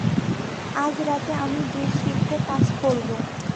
আজ রাতে আমি দুই শিফটে কাজ করব।